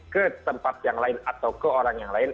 ke tempat yang lain atau ke orang yang lain